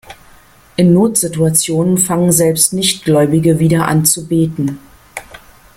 In Notsituationen fangen selbst Nichtgläubige wieder an, zu beten.